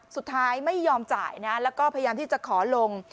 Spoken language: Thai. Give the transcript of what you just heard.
ไม่ยอมจ่ายนะแล้วก็พยายามที่จะขอลง